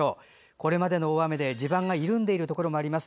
これまでの大雨で地盤が緩んでいるところがあります。